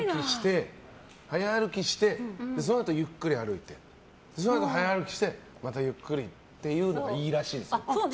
早歩きしてそのあとゆっくり歩いてそのあと早歩きしてまたゆっくりっていうのがいいらしいんですよ。